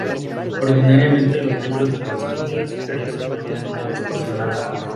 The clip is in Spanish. Ordinariamente los miembros del Consejo Universitario se reúnen una vez por semana.